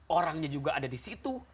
orangnya juga ada disitu